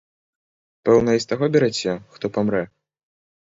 Пэўна і з таго бераце, хто памрэ?